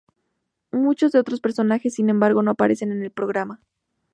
Muchos de los otros personajes, sin embargo, no aparecen en el programa.